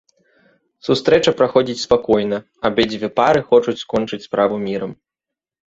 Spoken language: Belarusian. Сустрэча праходзіць спакойна, абедзве пары хочуць скончыць справу мірам.